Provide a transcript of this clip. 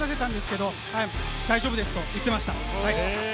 「大丈夫です」と言っていました。